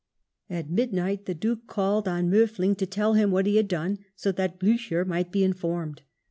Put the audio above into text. At midnight the Duke called on Miiffiing to tell him what he had done, so that Blucher might be informed.